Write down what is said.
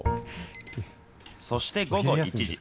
そして午後１時。